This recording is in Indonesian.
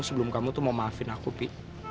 sebelum kamu tuh mau maafin aku pi